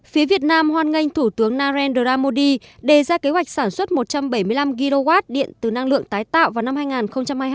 phía việt nam hoan nghênh thủ tướng narendra modi đề ra kế hoạch sản xuất một trăm bảy mươi năm gigawatt điện từ năng lượng tái tạo vào năm hai nghìn hai mươi hai